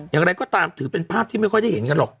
อย่างไรก็ตามถือเป็นภาพที่ไม่ค่อยได้เห็นกันหรอก